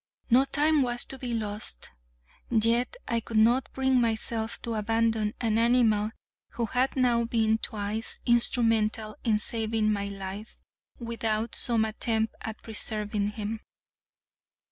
No time was to be lost, yet I could not bring myself to abandon an animal who had now been twice instrumental in saving my life, without some attempt at preserving him.